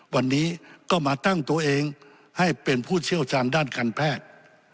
วันนี้ก็มาตั้งตัวเองให้เป็นผู้เชี่ยวชาญด้านการแพทย์